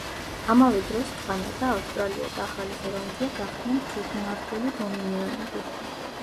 ამავე დროს, კანადა, ავსტრალია და ახალი ზელანდია გახდნენ თვითმმართველი დომინიონები.